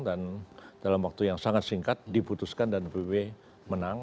dan dalam waktu yang sangat singkat diputuskan dan pbb menang